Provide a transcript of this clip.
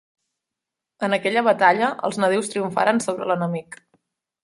En aquella batalla els nadius triomfaren sobre l'enemic.